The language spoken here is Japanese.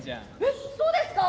えっそうですか？